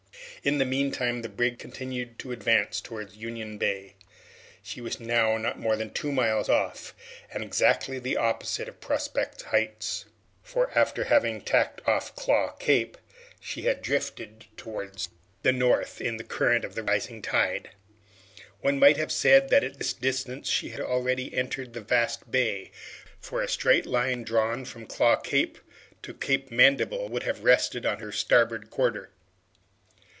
In the meanwhile the brig continued to advance towards Union Bay. She was now not more than two miles off, and exactly opposite the plateau of Prospect Heights, for after having tacked off Claw Cape, she had drifted towards the north in the current of the rising tide. One might have said that at this distance she had already entered the vast bay, for a straight line drawn from Claw Cape to Cape Mandible would have rested on her starboard quarter.